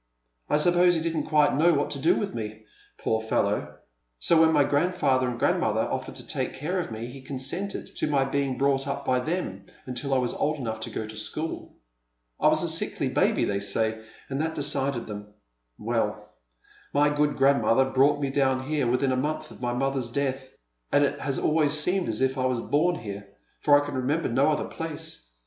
I suppose he didn't quite know what to do with me, poor fellow, so when my grandfather and grandmother offered to take care of me he consented to my being brought up by them until I was old enough to go to school. I was a sickly baljy, they say, and that decided him. Well, my good grandmother brought mo down here within a month of my mother's death, and it has always seemed as if I was born here, for I can remember no other place.